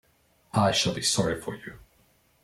I shall be sorry for you.